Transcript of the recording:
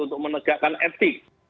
untuk menegakkan etik